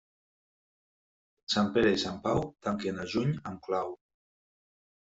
Sant Pere i Sant Pau tanquen a juny amb clau.